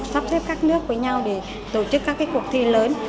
sắp xếp các nước với nhau để tổ chức các cuộc thi lớn